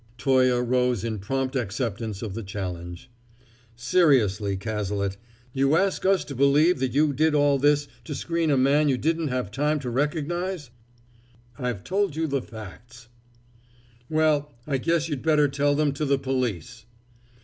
Toye rose in prompt acceptance of the challenge. "Seriously, Cazalet, you ask us to believe that you did all this to screen a man you didn't have time to recognize?" "I've told you the facts." "Well, I guess you'd better tell them to the police."